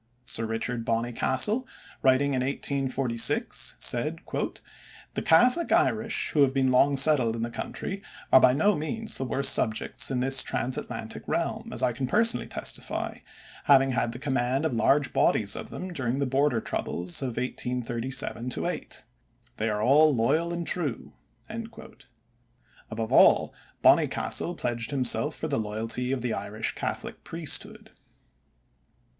Sir Richard Bonnycastle, writing in 1846, said "The Catholic Irish who have been long settled in the country are by no means the worst subjects in this transatlantic realm, as I can personally testify, having had the command of large bodies of them during the border troubles of 1837 8. They are all loyal and true." Above all Bonnycastle pledged himself for the loyalty of the Irish Catholic priesthood.